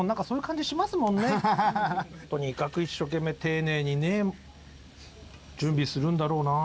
とにかく一生懸命丁寧にね準備するんだろうなって。